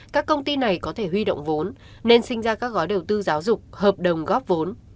các công ty này có thể huy động vốn nên sinh ra các gói đầu tư giáo dục hợp đồng góp vốn